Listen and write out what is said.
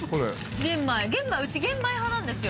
うち玄米派なんですよ。